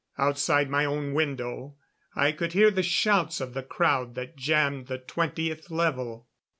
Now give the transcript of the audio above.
Outside my own window I could hear the shouts of the crowd that jammed the Twentieth Level.